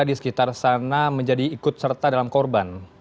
di sekitar sana menjadi ikut serta dalam korban